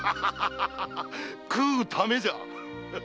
食うためじゃ！